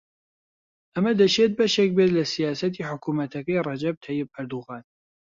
ئەمە دەشێت بەشێک بێت لە سیاسەتی حکوومەتەکەی ڕەجەب تەیب ئەردۆغان